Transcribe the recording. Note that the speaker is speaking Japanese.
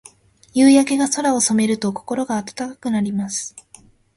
夕焼けが空を染めると、心が温かくなります。